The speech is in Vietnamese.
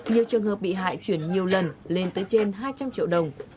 nhiều trường hợp bị hại chuyển nhiều lần lên tới trên hai trăm linh triệu đồng